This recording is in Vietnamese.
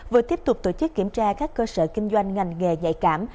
vừa tiếp tục tổ chức kiểm tra các cơ sở kinh doanh ngành nghề nhạy cảm